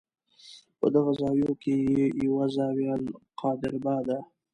په دغو زاویو کې یوه یې الزاویة القادربه ده.